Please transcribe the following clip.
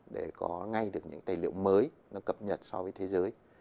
để có ngay được những tài liệu mới nó cập nhật so với thế giới